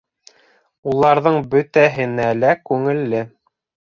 Уларҙың бөтәһенә лә күңелле.